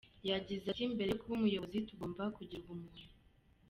Yagize ati” Mbere yo kuba umuyobozi tugomba kugira ubumuntu.